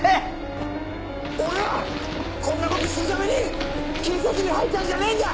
俺はこんなことするために警察に入ったんじゃねえんだ！